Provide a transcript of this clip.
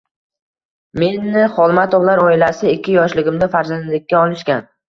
Meni Xolmatovlar oilasi ikki yoshligimda farzandlikka olishgan.